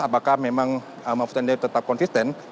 apakah memang mahfud m d tetap konsisten